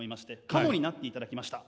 カモになっていただきました。